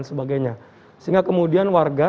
sehingga kemudian warga